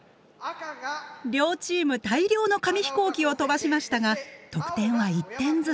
両チーム大量の紙飛行機を飛ばしましたが得点は１点ずつ。